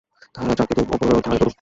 তাহারা চাহিত, অপরেও তাহাই করুক।